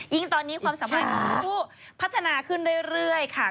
ยิ่งตอนนี้ความสามารถของผู้พัฒนาขึ้นเรื่อยค่ะ